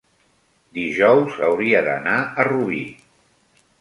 dijous hauria d'anar a Rubí.